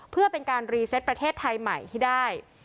เพื่อเป็นการรีเซตประเทศไทยใหม่ให้ได้